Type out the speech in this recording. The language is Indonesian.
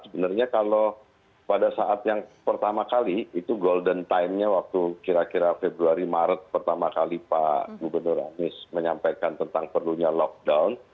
sebenarnya kalau pada saat yang pertama kali itu golden time nya waktu kira kira februari maret pertama kali pak gubernur anies menyampaikan tentang perlunya lockdown